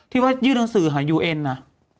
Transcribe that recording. พี่ว่ายืนหนังสืออาหารยูเอ็นละ